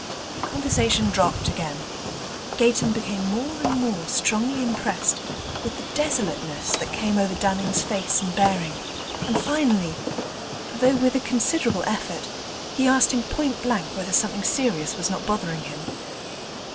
Conversation dropped again; Gayton became more and more strongly impressed with the desolateness that came over Dunning's face and bearing, and finally though with a considerable effort he asked him point blank whether something serious was not bothering him.